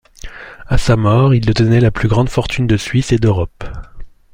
À sa mort, il détenait la plus grande fortune de Suisse et d'Europe.